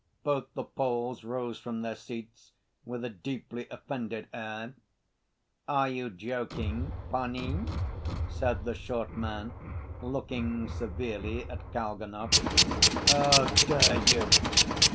Both the Poles rose from their seats with a deeply offended air. "Are you joking, panie?" said the short man, looking severely at Kalganov. "How dare you!"